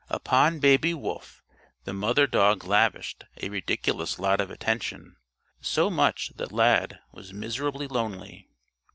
Upon Baby Wolf the mother dog lavished a ridiculous lot of attention so much that Lad was miserably lonely.